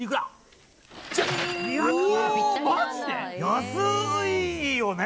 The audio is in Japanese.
安いよね！